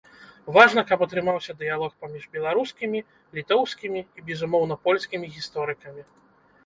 Важна, каб атрымаўся дыялог паміж беларускімі, літоўскімі і безумоўна польскімі гісторыкамі.